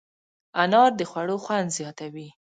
انار د خوړو خوند زیاتوي.